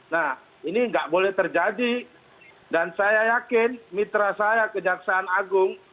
nah ini nggak boleh terjadi dan saya yakin mitra saya kejaksaan agung